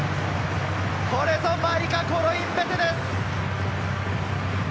これぞマリカ・コロインベテです。